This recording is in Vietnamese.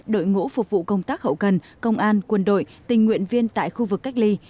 đội ngũ phục vụ công tác hậu cần công an quân đội tình nguyện viên tại khu vực cách ly